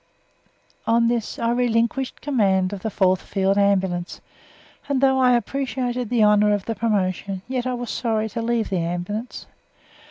On this I relinquished command of the 4th Field Ambulance, and though I appreciated the honour of the promotion yet I was sorry to leave the Ambulance.